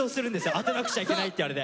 当てなくちゃいけないってあれで。